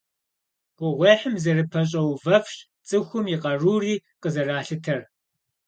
Гугъуехьым зэрыпэщӀэувэфщ цӀыхум и къарури къызэралъытэр.